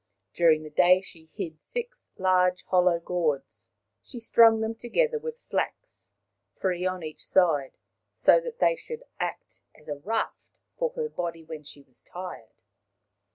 During the day she hid six large hollow gourds. She strung them together with flax, three on each side, so that they should act as a raft for her body Hinemoa's Swim 241 when she was tired.